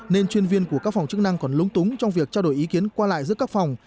nên chuyên viên của các phòng chức năng còn lúng túng trong việc trao đổi ý kiến qua lại giữa các phòng